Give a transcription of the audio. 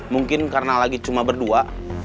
mungkin karena lagi cuma berdua